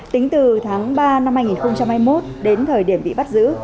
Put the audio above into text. tính từ tháng ba năm hai nghìn hai mươi một đến thời điểm bị bắt giữ